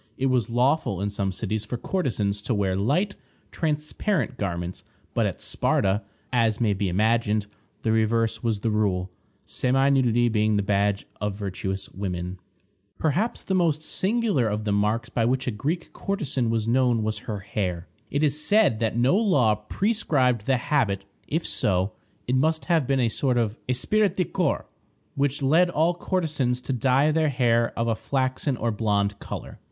It was lawful in some cities for courtesans to wear light, transparent garments; but at Sparta, as may be imagined, the reverse was the rule, semi nudity being the badge of virtuous women. Perhaps the most singular of the marks by which a Greek courtesan was known was her hair. It is said that no law prescribed the habit; if so, it must have been a sort of esprit de corps which led all courtesans to dye their hair of a flaxen or blonde color.